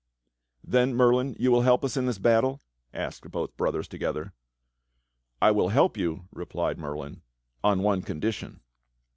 "Then, Merlin, you v/ill help us in this battle.?" asked both brothers together. "I wdll help you," replied Merlin, "on one condition."